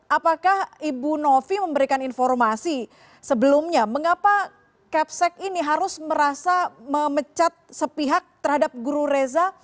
apakah ibu novi memberikan informasi sebelumnya mengapa kepsek ini harus merasa memecat sepihak terhadap guru reza